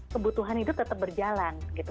kebutuhan itu tetap berjalan gitu